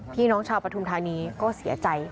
ที่น้องชาวประธุมธรรมนี้ก็เสียใจ